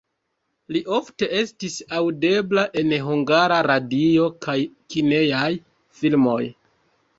Li ofte estis aŭdebla en Hungara Radio kaj kinejaj filmoj.